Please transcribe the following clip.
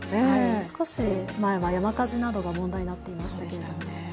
少し前は山火事などが問題になっていましたけれども。